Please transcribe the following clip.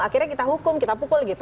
akhirnya kita hukum kita pukul gitu